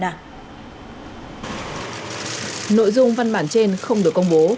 nội dung văn bản trên không được công bố